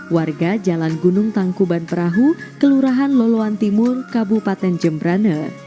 warga jalan gunung tangkuban perahu kelurahan loluan timur kabupaten jembrane